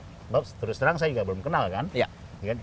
hoax terus terang saya juga belum kenal kan